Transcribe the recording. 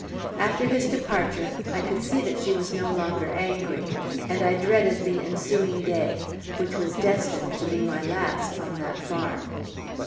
After his departure, I could see that she was no longer angry, and I dreaded the ensuing day, which was destined to be my last on that farm.